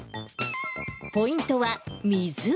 ポイントは水。